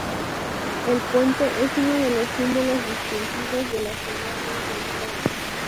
El puente es uno de los símbolos distintivos de la ciudad de Bristol.